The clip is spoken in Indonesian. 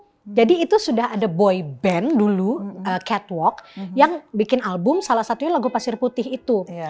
iya jadi itu sudah ada boy band dulu catwalk yang bikin album salah satunya lagu pasir putih itu